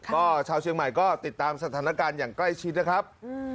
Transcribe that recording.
ก็ชาวเชียงใหม่ก็ติดตามสถานการณ์อย่างใกล้ชิดนะครับ